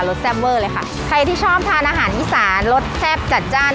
สแซ่บเวอร์เลยค่ะใครที่ชอบทานอาหารอีสานรสแซ่บจัดจ้าน